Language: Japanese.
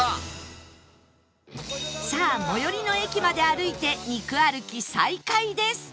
さあ最寄りの駅まで歩いて肉歩き再開です